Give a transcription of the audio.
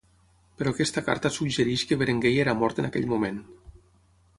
Però aquesta carta suggereix que Berenguer ja era mort en aquell moment.